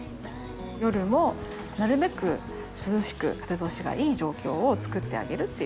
夜もなるべく涼しく風通しがいい状況を作ってあげるっていうことですね。